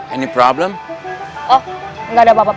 ini dia pak